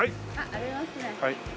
ありますね。